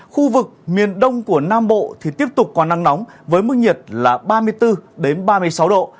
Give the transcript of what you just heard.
khu vực miền đông của nam bộ thì tiếp tục có nắng nóng với mức nhiệt là ba mươi bốn ba mươi sáu độ